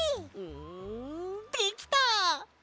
んできた！